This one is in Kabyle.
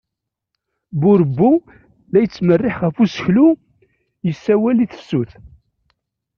Burebbu la yettmerriiḥ ɣef useklu, issawal i tefsut.